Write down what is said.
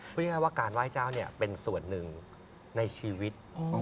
พูดง่ายว่าการไหว้เจ้าเป็นส่วนหนึ่งในชีวิต